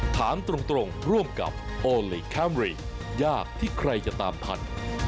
ถามตรงร่วมกับโอลี่คัมรี่ยากที่ใครจะตามทัน